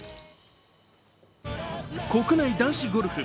国内男子ゴルフ。